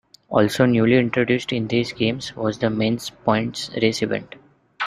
Also newly introduced in these Games was the men's points race event.